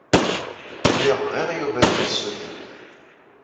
Lliɣ bɣiɣ Yuba ad iyi-yessuden.